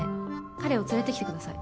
彼を連れてきてください